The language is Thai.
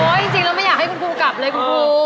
จริงแล้วไม่อยากให้คุณครูกลับเลยคุณครู